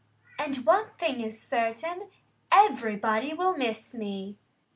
"And one thing is certain: everybody will miss me!"